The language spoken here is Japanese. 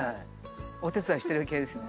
お手伝いしてる系ですね。